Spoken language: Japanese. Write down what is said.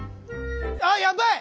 ああやばい！